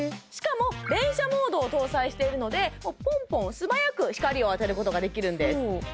しかも連射モードを搭載しているのでぽんぽん素早く光を当てることができるんです